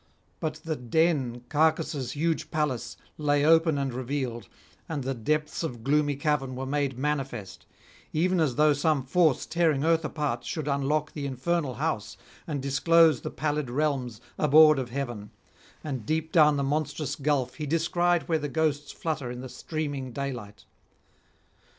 But the den, Cacus' huge palace, lay open and revealed, and the depths of gloomy cavern were made manifest; even as though some force tearing earth apart should unlock the infernal house, and disclose the pallid realms abhorred of heaven, and deep down the monstrous gulf be descried where the ghosts flutter in the streaming daylight.